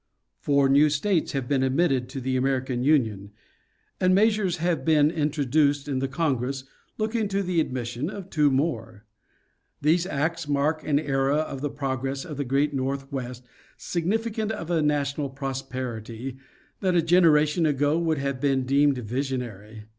Four new states have been admitted to the American Union, and measures have been introduced in the Congress looking to the admission of two more. These acts mark an era in the prog ress of the great northwest significant of a national prosperity that a generation ago would have been deemed visionary.